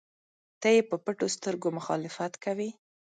نه یې په پټو سترګو مخالفت کوي.